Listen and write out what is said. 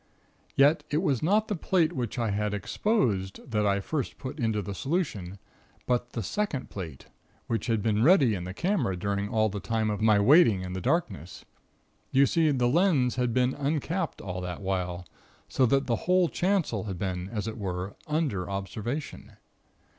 Yet, it was not the plate which I had exposed, that I first put into the solution, but the second plate, which had been ready in the camera during all the time of my waiting in the darkness. You see, the lens had been uncapped all that while, so that the whole chancel had been, as it were, under observation.